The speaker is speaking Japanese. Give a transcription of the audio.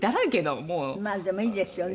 まあでもいいですよね。